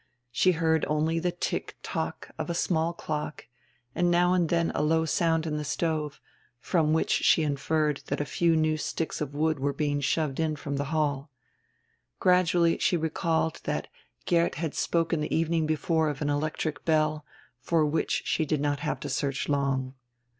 She heard only the tick tock of a small clock and now and then a low sound in the stove, from which she inferred that a few new sticks of wood were being shoved in from the hall. Gradually she recalled that Geert had spoken the evening before of an electric bell, for which she did not have to search long.